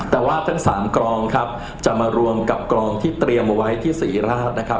แต่ว่าทั้ง๓กรองครับจะมารวมกับกรองที่เตรียมเอาไว้ที่ศรีราชนะครับ